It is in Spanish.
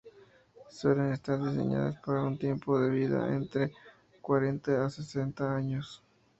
Suelen estar diseñadas para un tiempo de vida de entre cuarenta a sesenta años.